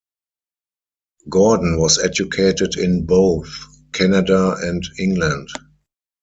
Gordon was educated in both Canada and England.